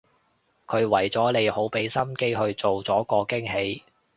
佢為咗你好畀心機去做咗個驚喜